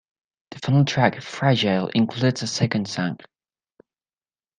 The final track, "Fragile", includes a second song.